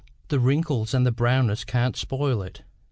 The wrinkles and the brownness can't spoil it.